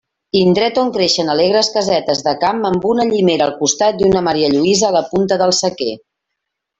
Indret on creixen alegres casetes de camp, amb una llimera al costat i una marialluïsa a la punta del sequer.